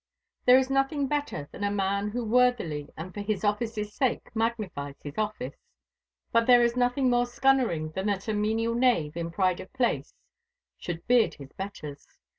There is nothing better than a man who worthily and for his office's sake magnifies his office, but there is nothing more scunnering than that a menial knave, in pride of place, should beard his betters.